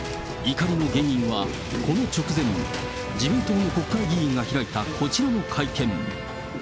怒りの原因はこの直前に、自民党の国会議員が開いたこちらの会見。